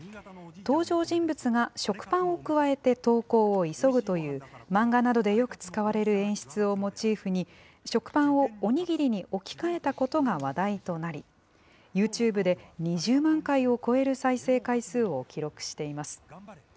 登場人物が食パンをくわえて登校を急ぐという、漫画などでよく使われる演出をモチーフに、食パンをお握りに置き換えたことが話題となり、ＹｏｕＴｕｂｅで２０万回を超える再生回数を記録しています。